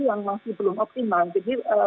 yang masih belum optimal jadi